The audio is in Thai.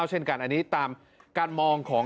เช่นกันอันนี้ตามการมองของ